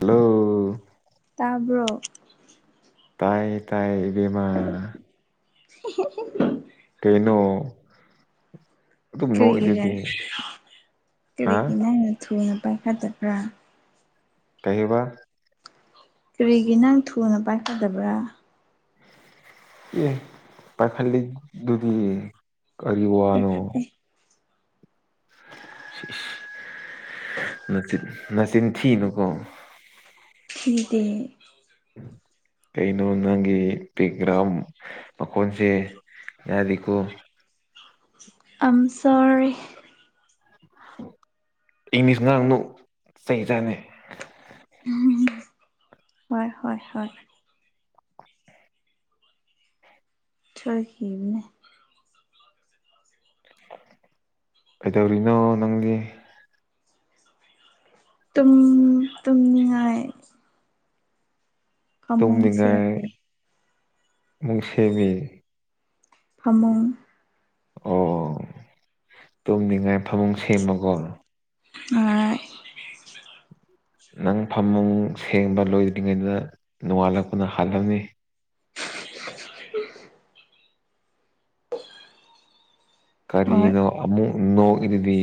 hello ꯇꯥꯕ꯭ꯔꯣ ꯇꯥꯏ ꯇꯥꯏ ꯏꯕꯤꯝꯃꯥ [inaudible] ꯀꯩꯅꯣ ꯑꯗꯨꯝ ꯀꯔꯤꯒꯤꯔꯦ ꯅꯣꯛꯏꯗꯨꯗꯤ ꯍꯥ ꯀꯔꯤꯒꯤꯅ ꯍꯦꯟꯅ ꯊꯨꯅ ꯄꯥꯏꯈꯗꯕ꯭ꯔꯥ ꯀꯩꯕ ꯀꯔꯤꯒꯤ ꯅꯪ ꯊꯨꯅ ꯄꯥꯏꯀꯗꯕ꯭ꯔꯥ ꯏ ꯄꯥꯏꯈꯜꯂꯤ ꯗꯨꯗꯤ ꯀꯔꯤꯋꯥꯅꯣ ꯄꯥꯏꯈꯠꯇꯦ ꯅꯆꯤꯟ ꯅꯆꯤꯟ ꯊꯤꯅꯨꯀꯣ ꯊꯤꯗꯦ ꯀꯩꯅꯣ ꯅꯪꯒꯤ ꯕꯦꯛꯒ꯭ꯔꯥꯎꯟ ꯃꯈꯣꯟꯁꯦ ꯌꯥꯗꯤꯀꯣ ꯑꯝꯁꯣꯔꯤ ꯏꯪꯂꯤꯁ ꯉꯥꯡꯅ ꯆꯩ ꯆꯥꯅꯦ ꯍꯣꯏ ꯍꯣꯏ ꯍꯣꯏ ꯆꯣꯏꯈꯤꯕꯅꯦ ꯀꯩꯗꯧꯔꯤꯅꯣ ꯅꯪꯗꯤ ꯇꯨꯝ ꯇꯨꯝꯉꯥꯏ ꯀꯃ ꯁꯤꯦꯔꯦ ꯑꯃꯁꯨꯡ ꯁ ꯃꯦ ꯐꯃꯨꯡ ꯑꯣ ꯇꯨꯝꯅꯤꯡꯉꯥꯏ ꯐꯃꯨꯡ ꯁꯦꯝꯃꯀꯣ ꯑ ꯅꯪ ꯐꯝ ꯁꯦꯡꯕ ꯂꯣꯏꯗ꯭ꯔꯤꯉꯩꯗ ꯅꯣꯡꯉꯥꯜꯂꯛꯄꯅ ꯍꯥꯜꯂꯝꯅꯤ ꯍꯥꯏ ꯍꯣꯏ ꯀꯔꯤꯅꯣ ꯑꯃꯨ ꯏꯣ ꯏꯔꯗꯤ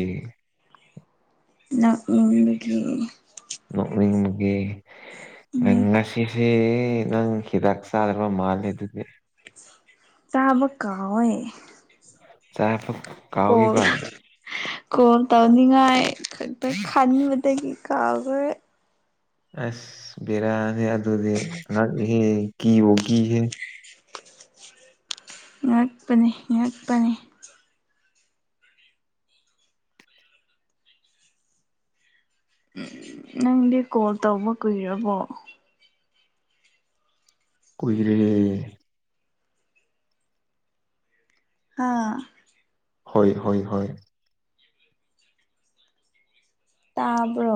ꯎꯗꯒꯤ ꯃꯤꯒꯤ ꯅꯪ ꯎꯝ ꯉꯁꯤ ꯍꯦ ꯅꯪ ꯍꯤꯗꯛꯁ ꯑ꯭ꯔ ꯃꯥꯜ ꯑꯗꯨꯗꯦ ꯇꯥꯕꯀ ꯍꯣꯏ ꯆꯦ ꯐ ꯀꯥꯎꯒꯤ ꯄ ꯀꯣꯜ ꯇꯕꯅꯤ ꯉꯥꯏꯗ ꯈꯅꯤ ꯃꯠꯇꯒꯤ ꯈꯥꯎꯒꯦ ꯑꯁ ꯕꯦꯔꯥꯅꯦ ꯑꯗꯨꯗꯤ ꯉꯍꯦ ꯀꯤꯕꯣ ꯀꯤꯍꯦ ꯉꯛꯄꯅꯤ ꯉꯛꯄꯅꯤ ꯅꯪꯗꯤ ꯀꯣꯜ ꯇꯧꯕ ꯀꯨꯏꯔꯕꯣ ꯀꯣꯏꯔꯦ ꯑꯥ ꯍꯣꯏ ꯍꯣꯏ ꯍ ꯇꯥꯕ꯭ꯔꯣ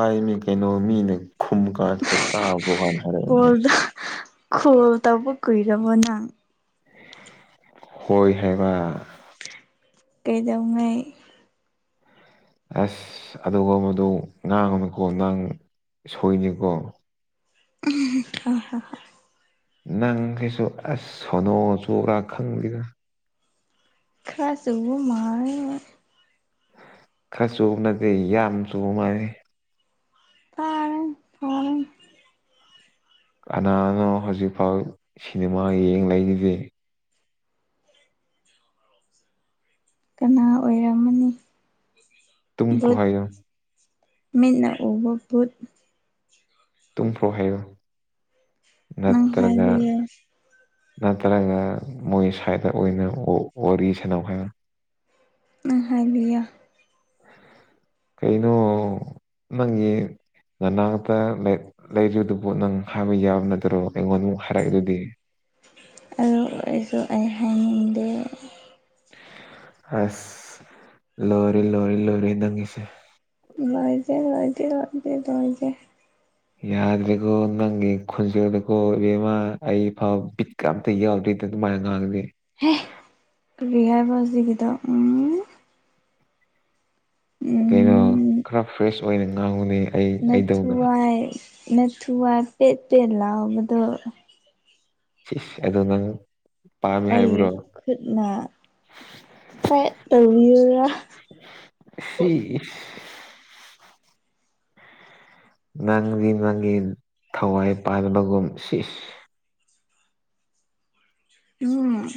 ꯀꯥꯏ ꯃꯤ ꯀꯩꯅꯣ ꯃꯤꯅꯦ ꯈꯨꯃ ꯀꯥ ꯇ ꯇꯥꯒꯣꯍꯅ ꯍꯔꯅꯤ ꯈꯣ ꯇꯕꯨ ꯀꯨꯏꯔꯔꯕ ꯅ ꯍꯣꯏ ꯍꯥꯏꯦꯕ ꯀꯩꯗꯧꯉꯩ ꯑꯁ ꯑꯗꯨꯒ ꯃꯗꯨ ꯉꯥꯡ ꯑꯃꯀꯣ ꯅꯪ ꯁꯣꯏꯅꯤꯀꯣ ꯑ ꯍ ꯅꯪ ꯀꯁꯨ ꯑꯁ ꯁꯣꯅꯣ ꯆꯨꯕ꯭ꯔꯥ ꯈꯪꯗ꯭ꯔ ꯈꯁꯨ ꯎ ꯃꯥ ꯈꯔꯁꯨꯨꯅꯗꯦ ꯌꯥꯝꯁꯨꯨ ꯃꯥꯥꯏ ꯇꯥꯔ ꯐꯣꯟꯣꯟ ꯀꯅꯥꯅꯣ ꯍꯧꯖꯤꯛꯐꯥꯎ ꯁꯤꯅꯦꯃꯥ ꯌꯦꯡ ꯂꯩꯈꯤꯗꯦ ꯀꯅꯥ ꯑꯣꯏꯔꯝꯃꯅꯤ ꯇꯨꯡ ꯀ ꯍꯥꯏꯔ ꯃꯤꯅ ꯎ ꯋꯥꯄꯨꯗ ꯇꯨꯡꯐ꯭ꯔꯣ ꯍꯥꯏꯌꯣ ꯅꯪꯈꯥꯏꯒꯤ ꯅꯠꯇ꯭ꯔꯒ ꯅꯠꯇ꯭ꯔꯒ ꯃꯣꯏ ꯁ꯭ꯋꯥꯗ ꯑꯣꯏꯅ ꯋꯥꯔꯤ ꯁꯦꯅꯧ ꯍꯥꯏ ꯑꯍꯕꯤ ꯀꯩꯅꯩꯅꯣ ꯅꯪꯒꯤ ꯅꯅꯥꯇ ꯂꯩꯔꯤꯗꯨꯕꯨ ꯅꯪ ꯍꯥꯏꯕ ꯌꯥꯕ ꯅꯠꯇꯔꯣ ꯑꯩꯉꯣꯟꯗ ꯑꯃꯨꯛ ꯍꯥꯏꯔꯛꯑꯦ ꯑꯗꯨꯗꯤ ꯑ ꯍꯗ ꯑꯁ ꯂꯔꯤ ꯂꯣꯔꯤ ꯂꯣꯏꯔꯤ ꯅꯪꯉꯁꯦ ꯋꯥꯖꯦ ꯋꯥꯖꯦ ꯋꯥꯦꯖꯦ ꯌꯥꯗ꯭ꯔꯦꯀꯣ ꯅꯪꯒꯤ ꯈꯨꯟꯖꯦꯜꯗꯀꯣ ꯏꯕꯦꯝꯃꯥ ꯑꯩ ꯐꯥꯎ ꯕꯤꯠꯀ ꯑꯝꯇ ꯌꯥꯎꯗ꯭ꯔꯤ ꯑꯗꯨ ꯃꯉꯒꯒꯗꯦ ꯔꯤꯍꯥꯏ ꯐꯁꯗꯤ ꯀꯗ ꯎꯝ ꯀꯩꯅꯣ ꯈꯔ ꯐ꯭ꯔꯦꯁ ꯑꯣꯏꯅ ꯉꯥꯡꯕꯅꯦ ꯅꯅꯥꯊꯨꯋꯥꯥꯏ ꯅꯅꯥꯊꯨꯥꯏ ꯄꯦ ꯄꯦ ꯂꯥꯎꯕꯗ ꯑꯗꯣ ꯅ ꯑꯩ ꯈꯨꯠꯅ ꯇ꯭ꯔꯥꯏꯠ ꯇꯧ ꯁꯤ ꯅꯪꯒꯤ ꯅꯪꯒꯤ ꯊꯋꯥꯏ ꯄꯥꯟꯕꯒꯨꯝ ꯁꯤꯁ ꯎꯝ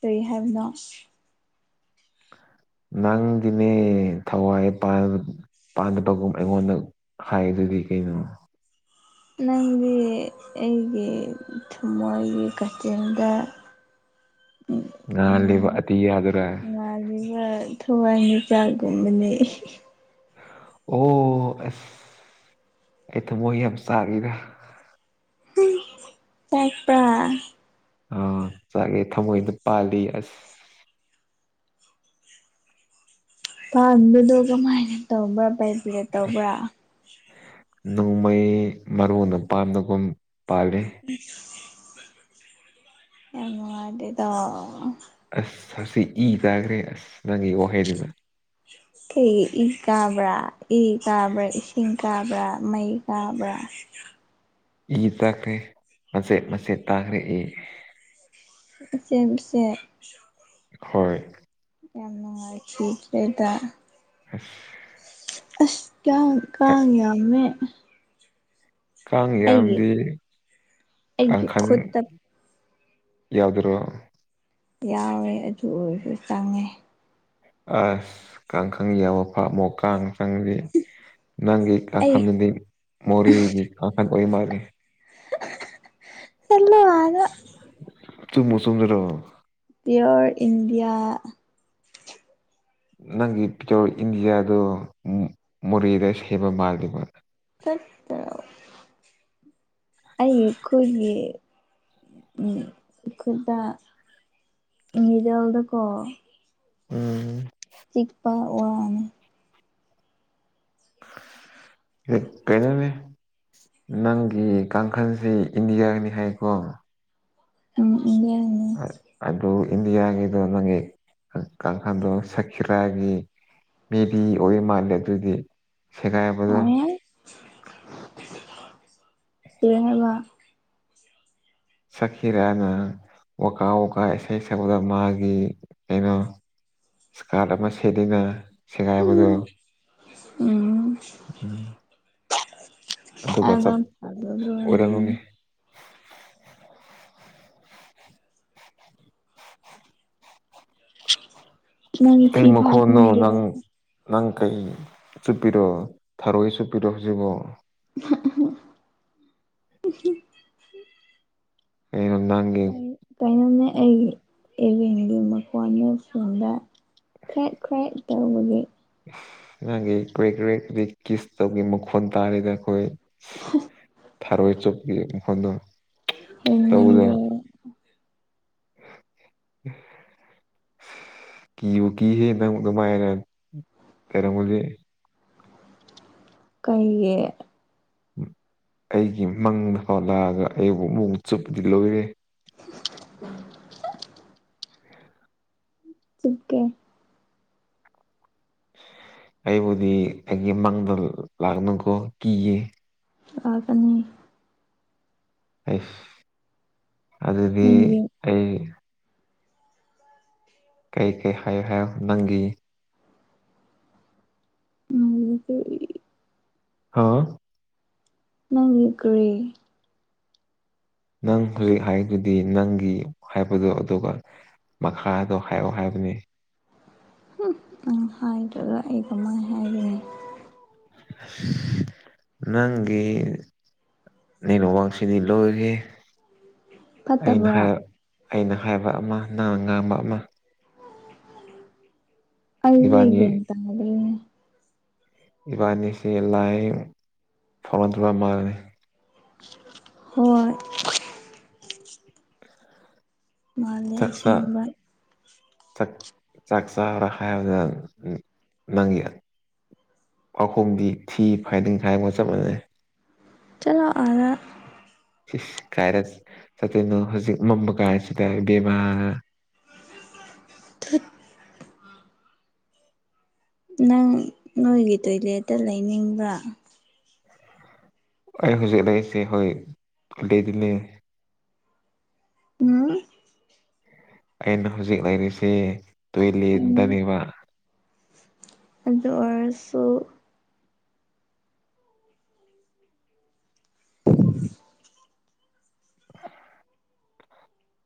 ꯀꯔꯤ ꯍꯥꯏꯕꯤꯅꯥꯁ ꯅꯪꯗꯤꯅꯦ ꯊꯋꯥꯏ ꯄꯥꯟꯕ ꯄꯥꯟꯅꯕꯒꯨꯝ ꯑꯩꯉꯣꯟꯗ ꯍꯥꯏꯗꯨꯗꯤ ꯀꯩꯅꯣ ꯅꯪꯗꯤ ꯑꯩꯒꯤ ꯊꯃꯣꯏꯒꯤ ꯀꯥꯆꯤꯟꯗ ꯎꯝ ꯉꯥꯜꯂꯦꯕ ꯑꯇꯤꯌꯥꯗꯨꯔ ꯉ ꯊꯋꯥꯏꯃꯤꯆꯥꯛꯒꯨꯝꯕꯅꯦ ꯑꯣ ꯑꯁ ꯑꯩ ꯊ ꯃ ꯌꯥꯝ ꯁꯥꯔꯤꯗ ꯇꯦꯛꯄ꯭ꯔ ꯑꯥ ꯆꯥꯒꯦ ꯊꯃꯣꯏꯗ ꯄꯥꯜꯂꯤ ꯑꯁ ꯄꯥꯟꯕꯗꯣ ꯀꯃꯥꯏꯅ ꯇꯧꯕ꯭ꯔꯥ ꯄꯥꯏꯕꯤꯔ ꯇꯧꯕ꯭ꯔꯥ ꯅꯣꯡꯃꯩ ꯃꯔꯨ ꯃꯄꯥꯟꯅꯒꯨꯝ ꯌꯥꯝꯃ ꯋꯥꯗ ꯑꯁ ꯑꯁꯤ ꯏ ꯇꯥꯈ꯭ꯔꯦ ꯑꯁ ꯅꯪꯒꯤ ꯋꯥꯍꯩꯗꯨꯃ ꯀꯩ ꯏ ꯀꯥꯕ꯭ꯔꯥ ꯏ ꯀꯥꯕ꯭ꯔꯥ ꯏꯁꯤꯡ ꯀꯥꯕ꯭ꯔꯥ ꯃꯩ ꯀꯥꯕ꯭ꯔꯥ [inaudible] ꯏ ꯇꯥꯛꯈ꯭ꯔꯦ ꯃꯁꯦ ꯃꯁꯦ ꯇꯥꯛꯈ꯭ꯔꯦ ꯏ ꯏ ꯎꯆꯦ ꯎꯆꯦ ꯍꯣꯏ ꯌꯥꯝ ꯅꯨꯡꯉꯥꯏꯇꯦꯦꯗ ꯑꯁ ꯑꯁ ꯀꯌꯥ ꯀꯥ ꯌꯥꯝꯃꯦ ꯀꯥꯡ ꯑꯩꯒꯤ ꯌꯥꯝꯗꯤ ꯑꯩꯒꯤ ꯀꯥꯡꯈꯜ ꯈꯨꯠꯇ ꯌꯥꯎꯗ꯭ꯔꯣ ꯌꯥꯎꯋꯦ ꯑꯗꯨ ꯑꯣꯏꯔꯁꯨ ꯆꯪꯉꯦ ꯑꯁ ꯀꯥꯡ ꯈꯪ ꯌꯥꯝꯃ ꯐꯥꯃꯣ ꯀꯥꯡ ꯈꯪꯁꯤꯦ ꯅꯪꯒꯤ ꯑꯩ ꯀꯥꯡꯈꯟꯗꯨꯗꯤ ꯃꯣꯔꯦꯒꯤ ꯀꯥꯡꯈꯟ ꯑꯣꯏ ꯃꯥꯜꯂꯜꯂꯤ ꯁꯤꯂ ꯋꯥ ꯇꯨꯝ ꯃꯆꯗ꯭ꯔꯣ ꯄꯤꯌꯣꯔ ꯏꯟꯗꯤꯌꯥ ꯅꯪꯒꯤ ꯄꯤꯆꯣꯔ ꯏꯟꯗꯤꯌꯥꯗꯣ ꯃꯣꯔꯦꯗ ꯁꯦꯝꯕ ꯃꯥꯜꯜꯂꯤꯦꯕ ꯑꯩ ꯈꯨ ꯁ ꯈꯨꯠꯗ ꯖꯦꯜꯗꯀ ꯎꯝ ꯆꯛꯄ ꯋꯥꯅꯤ ꯀꯩꯅꯩꯅꯅꯦꯅꯦ ꯅꯪꯒꯤ ꯀꯥꯡꯈꯜꯁꯤ ꯏꯟꯗꯤꯌꯥꯅꯤ ꯍꯥꯏꯀꯣ ꯎꯝ ꯌꯥꯝ ꯑꯗꯨꯣ ꯏꯗꯤꯌꯥ ꯑꯗꯨ ꯅꯪꯒꯤ ꯀꯥꯡꯈꯥꯟꯗꯣ ꯁꯀꯤꯔꯥꯒꯤ ꯃꯦꯕꯤ ꯑꯣꯏ ꯃꯥꯜꯂꯦ ꯑꯗꯨꯗꯤ ꯁꯤꯦꯀꯥꯏꯕꯗꯨꯣ ꯇꯉꯕ ꯁꯀꯤꯤꯔꯅ ꯋꯥꯀꯥ ꯋꯥꯀꯥ ꯏꯁꯩ ꯁꯛꯄꯗ ꯃꯥꯒꯤ ꯀꯩꯅꯣ ꯏꯁꯀꯥꯔꯠ ꯑꯃ ꯁꯦꯠꯂꯤꯅ ꯁꯦꯒꯥꯏꯕꯗꯣ ꯎꯝ ꯎꯝ ꯎꯝ ꯑꯗ ꯐ ꯑꯗꯨꯅ ꯑꯣꯏꯔꯝꯒꯅꯤ ꯃꯟ ꯊꯤ ꯀꯩ ꯐꯒꯦ ꯃꯈꯣꯟꯅꯣ ꯅꯪ ꯅꯪ ꯀꯩ ꯆꯨꯞꯄꯤꯔꯣ ꯊꯔꯣꯏ ꯆꯨꯞꯄꯤꯔꯣ ꯍꯧꯖꯤꯛꯕꯣ [unintelligible] ꯀꯩꯅꯣ ꯅꯪꯒꯤ ꯀ ꯀꯩꯅꯩꯅꯅ ꯑꯩ ꯏꯚꯦꯟꯒꯤ ꯃꯈꯣꯟ ꯌꯁꯤꯡꯗ ꯈ꯭ꯔꯦꯠ ꯈ꯭ꯔꯦꯠ ꯇꯧꯕꯒꯤ ꯅꯪꯒꯤ ꯀꯦꯛ ꯀ ꯀ ꯀꯤꯁ ꯇꯧꯒ ꯃꯈꯣꯟ ꯇꯥꯔꯤꯗ ꯑꯩꯈꯣꯏ ꯊꯥꯔꯣꯏ ꯆꯣꯞꯀꯤ ꯃꯈꯣꯟꯗ ꯍꯪꯦ ꯎꯝ ꯀꯤꯌꯨ ꯀꯤꯍꯦ ꯅꯪ ꯑꯗꯨꯃꯥꯏꯔ ꯇꯔꯝꯒꯣꯁꯦ ꯀꯩꯌꯦꯦ ꯑꯩꯒꯤ ꯃꯪꯗ ꯐꯥꯎ ꯂꯥꯛꯑꯒ ꯑꯩꯕꯨ ꯃꯑꯣ ꯆꯨꯞꯄꯗꯤ ꯂꯣꯏꯔꯦ [unintelligible] ꯊꯀꯦ ꯑꯩꯕꯨꯗꯤ ꯑꯩꯒꯤ ꯃꯥꯡꯗ ꯂꯥꯛꯅꯀꯣ ꯀꯤꯌꯦ ꯑ ꯑꯅꯤ ꯑꯩ ꯑꯗꯨꯗꯤ ꯅꯪꯒꯤ ꯑꯩ ꯀꯩ ꯀꯩ ꯍꯥꯏꯌ ꯍꯥꯏꯌ ꯅꯪꯒꯤ ꯑ ꯍꯥꯥ ꯅꯪꯉꯦ ꯀꯔꯤꯦ ꯅꯪ ꯍꯧꯖꯤꯛ ꯍꯥꯏꯗꯨꯗꯤ ꯅꯪꯒꯤ ꯍꯥꯏꯕꯗꯣ ꯑꯗꯨꯒ ꯃꯈꯥ ꯑꯗꯣ ꯍꯥꯏꯌꯑꯣ ꯍꯥꯏꯕꯅꯦ ꯎꯝ ꯑ ꯍꯥꯏ ꯑꯩꯃ ꯍꯥꯏꯦ ꯅꯪꯒꯤ ꯅꯩꯅ ꯋꯥꯡꯁꯤꯗꯤ ꯂꯣꯏꯔ ꯑꯩꯅ ꯐꯠꯇꯕ꯭ꯔꯥ ꯑꯩꯅ ꯍꯥꯏꯕ ꯑꯃ ꯅ ꯉꯥꯡꯕ ꯑꯃ ꯑꯜꯒ ꯏꯕꯥꯅꯤ ꯑ ꯃꯦ ꯏꯕꯥ ꯑꯅꯤꯁꯤ ꯂꯥꯏ ꯐꯣꯔꯟ ꯇꯕ ꯃꯜ ꯍꯣꯏꯣꯏ ꯃꯥꯜꯂꯦ ꯆꯥꯛꯆꯥ ꯁꯦꯟꯕ ꯆꯥꯛ ꯆꯥꯛ ꯆꯥꯔ ꯍꯥꯏꯕꯗꯗꯪ ꯅꯪꯏ ꯄꯥꯈꯣꯡꯗꯤ ꯊꯤ ꯐꯥꯏꯗꯤꯡ ꯊꯥꯏꯒ ꯆꯞ ꯃꯥꯟꯅꯩ ꯆꯂꯣ ꯑꯔ ꯁꯤꯁ ꯀꯥꯏꯔ ꯆꯠꯇꯅꯣ ꯍꯧꯖꯤꯛ ꯃꯝꯕ ꯀꯥꯏꯔꯁꯤ ꯇꯥꯏ ꯕꯦꯝꯃ [inaudible] ꯅꯪ ꯅꯣꯏꯒꯤ ꯇꯣꯏꯂꯦꯠꯇ ꯂꯩꯅꯤꯡꯕ꯭ꯔ ꯑꯩ ꯍꯧꯖꯤꯛ ꯂꯩꯁꯦ ꯍꯣꯏ ꯑꯗꯨꯗꯤꯅꯦ ꯑꯝ ꯑꯩꯅ ꯍꯧꯖꯤꯛ ꯂꯩꯔꯤꯁꯤ ꯎꯝ ꯇꯨꯋꯂꯤꯗꯅꯦꯕ ꯑꯗꯨ ꯑꯣꯏꯔꯁꯨ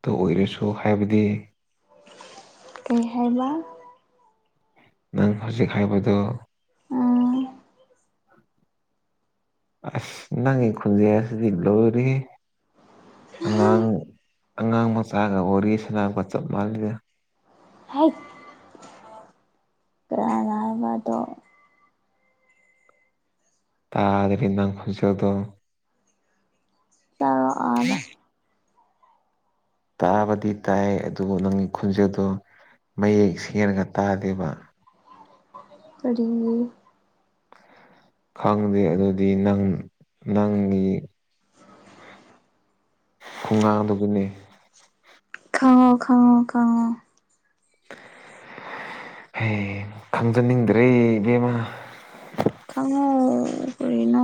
ꯇ ꯑꯣꯏꯔꯁꯨ ꯍꯥꯏꯕꯗꯤ ꯀꯔꯤ ꯍꯥꯏꯕ ꯅꯪ ꯈꯁꯤ ꯈꯥꯏꯕꯗꯨ ꯑ ꯑꯁ ꯅꯪꯒꯤ ꯈꯨꯟꯖꯦꯛ ꯑꯁꯤꯗꯤ ꯂꯣꯏꯔꯤ ꯑꯉꯥꯡ ꯍꯩꯠ ꯑꯉꯥꯡ ꯃꯆꯥꯒ ꯋꯥꯔꯤ ꯁꯅꯥꯒ ꯆꯞ ꯃꯥꯥꯟꯜꯂꯤꯗꯦ ꯍꯥꯏ ꯀ ꯂꯔꯕꯗꯣ ꯇꯥꯔꯅꯥꯡ ꯈꯖꯗ ꯑ ꯑꯗ ꯇꯥꯕꯗꯤ ꯇꯥꯏ ꯑꯗꯨꯕꯨ ꯅꯪꯒꯤ ꯈꯣꯟꯖꯦꯜꯗꯣ ꯃꯌꯦꯛ ꯁꯦꯡꯒ ꯇꯥꯗꯦꯕ ꯄꯒꯦ ꯈꯪꯗꯦ ꯑꯗꯨꯗꯤ ꯅꯪ ꯅꯪꯒꯤ [inaudible] ꯈꯨꯡꯒꯥꯡ ꯑꯗꯨꯒꯤꯅꯤ ꯈꯪꯉꯣ ꯈꯪꯉꯣ ꯈꯪꯉꯣ ꯍ ꯈꯪꯖꯅꯤꯡꯗ꯭ꯔꯦ ꯏꯕꯦꯝꯃ ꯈꯉꯣꯔꯤꯅ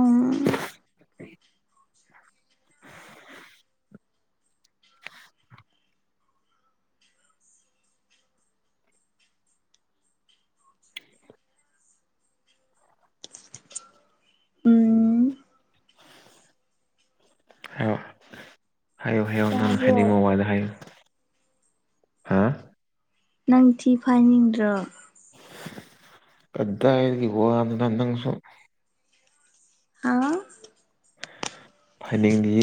ꯎꯝ ꯍꯥꯏꯌꯣ ꯍꯥꯏꯌꯣ ꯍꯥꯏꯌꯣ ꯅꯪ ꯍꯥꯏꯗꯤ ꯇꯥꯕ꯭ꯔꯣ ꯃꯣ ꯋꯥꯏꯗ ꯍꯥꯏꯌꯨ ꯍꯥ ꯅꯪ ꯊꯤ ꯐꯥꯅꯤꯡꯗ꯭ꯔꯣ ꯐꯗ ꯍꯥꯏ ꯍꯣꯅꯁꯣ ꯍꯥ ꯐꯅꯤꯡꯦ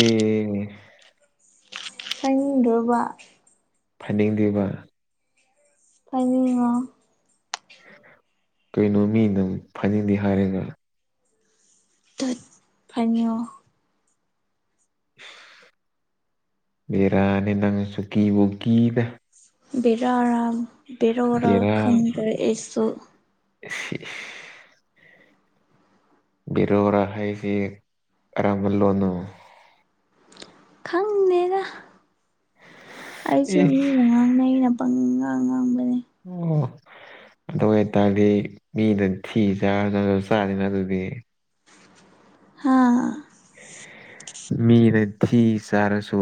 ꯆꯪꯗ꯭ꯔꯣꯕ ꯐꯅꯤꯡꯗꯕ ꯐꯉ ꯀꯩꯅꯣ ꯃꯤ ꯅꯝ ꯐꯅꯤꯡꯗꯦ ꯍꯥꯏꯔꯦꯅ ꯇꯠ ꯐꯅꯤꯣ [unintelligible] ꯃꯔꯥꯅꯦ ꯅꯪ ꯁꯨꯀꯤ ꯀꯤꯗ ꯕꯤꯔꯔꯥ ꯕꯤꯔꯔꯥ ꯕꯦꯔꯥ ꯈꯪꯗ꯭ꯔꯦ ꯑꯩꯁꯨ [unintelligible] ꯔꯣꯔ ꯔꯃꯜ ꯈꯪꯅꯦꯔ ꯑꯩꯁꯨ ꯏꯁ ꯃꯤꯅ ꯉꯥꯡꯅꯩ ꯑꯩꯅ ꯄꯪꯥꯡ ꯉꯥꯡ ꯎꯝ ꯑꯗꯨ ꯑꯣꯏꯇꯥꯔꯗꯤ ꯃꯤꯗ ꯊꯤ ꯆꯥꯔꯗ ꯆꯥꯗꯅ ꯑꯗꯨꯗꯤ ꯍꯥꯥ ꯃꯤ ꯅ ꯊ ꯁꯔ ꯁꯣ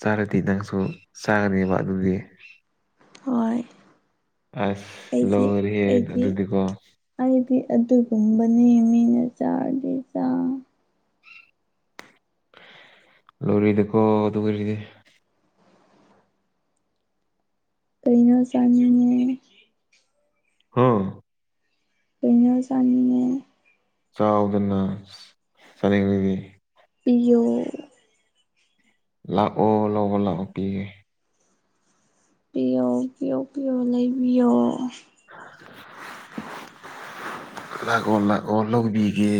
ꯆꯥꯔꯗꯤ ꯅꯪꯁꯨ ꯆꯥꯒꯅꯦꯕ ꯑꯗꯨꯗꯤ ꯍꯣꯏ ꯑꯁ ꯑꯩꯗꯤ ꯂꯣꯏꯔꯦꯍꯦ ꯑꯩꯗꯤ ꯑꯗꯨꯗꯤꯀꯣ ꯍꯥꯏꯗꯤ ꯑꯗꯨꯒꯨꯝꯕꯅꯤ ꯅꯅꯤꯃꯤꯅ ꯆꯥꯗꯖ ꯂꯧꯔꯤꯗꯀꯣ ꯑꯗꯨꯔꯤꯗꯤ ꯇꯔꯤꯅꯁꯅꯦ ꯑꯝ ꯀꯩꯅ ꯆꯥꯅꯤꯅꯦ ꯆꯥꯎꯗꯅ ꯆꯅꯤꯡꯉꯗꯤ ꯏꯨ ꯂꯥꯛꯑꯣ ꯂꯥꯛꯑꯣ ꯂꯥꯛꯑꯣ ꯄꯤꯒꯦ ꯄꯤꯌꯣ ꯄꯤꯌꯣ ꯄꯤꯌꯣ ꯂꯩꯕꯤꯌꯣ ꯂꯒꯣꯣꯟ ꯂꯒꯣꯜ ꯂꯕꯤꯒꯦ